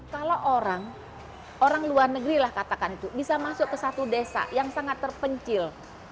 kalau orang orang luar negeri lah katakan itu bisa masuk ke satu desa yang sangat terpencil